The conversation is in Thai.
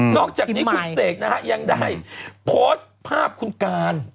จากนี้คุณเสกนะฮะยังได้โพสต์ภาพคุณการ